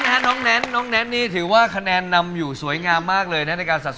อ่านะฮะเดี๋ยวให้ดร์วน้องจ๋าก่อนนะครับ